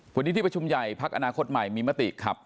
วันนี้ที่ประชุมใหญ่พักอนาคตใหม่มีมติขับ